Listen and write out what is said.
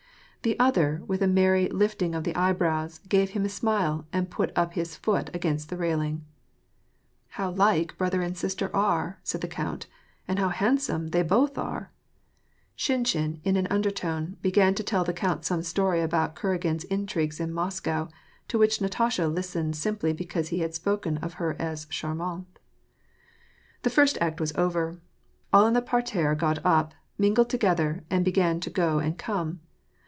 The other, with a merry lifting of the eyebrows, gave him a smile, and put up his foot against the railing. ''How like brother and sister are!" said the count; ''and how handsome they both are !" Shinshin, in an undertone, began to tell the count some story about Kuragin's intrigues in Moscow, to which Natasha lis tened simply because he had spoken of her as charmante. The first act was over. All in the parterre got up, mingled together, and began to go and come.